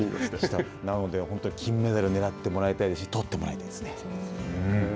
なので、金メダルをねらってもらいたいし取ってもらいたいですね。